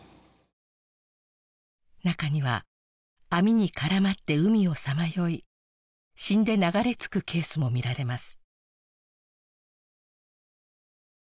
中には網に絡まって海をさまよい死んで流れ着くケースも見られます